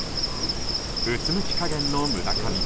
うつむき加減の村上。